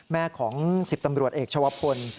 แม่ของ๑๐ตำรวจเอกชาวพล